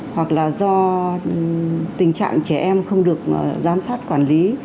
hoặc là do tình trạng trẻ em không được giám sát quản lý